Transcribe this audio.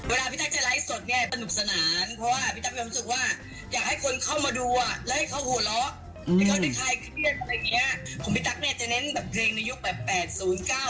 เวลาพี่ตั๊กจะไลฟ์สดเนี่ยประนุกสนานเพราะว่าพี่ตั๊กยอมรู้สึกว่า